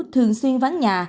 thường xuyên vắng nhà